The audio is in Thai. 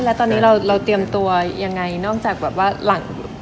และตอนนี้เราเตรียมตัวยังไงนอกจากด้านหลังกำอุ่น